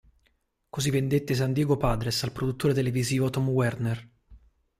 Così vendette i San Diego Padres al produttore televisivo Tom Werner.